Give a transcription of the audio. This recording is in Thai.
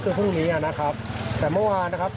เพื่อนผู้เคยร่วงใจเราที่ต้องตอบราบ